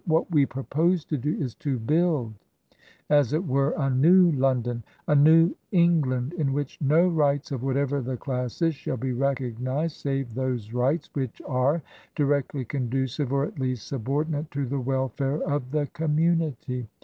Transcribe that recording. What we propose to do is to build, as it were, a new London, a new England, in which no rights — of whatever the class is — shall be recognised, save those rights which are di rectly conducive or, at least, subordinate to the welfare of the community.